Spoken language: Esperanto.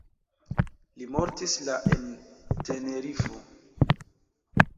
Li mortis la en Tenerifo.